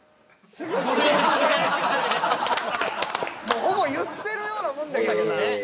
「もうほぼ言ってるようなもんだけどな」